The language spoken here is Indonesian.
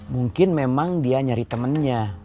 mungkin memang dia nyari temennya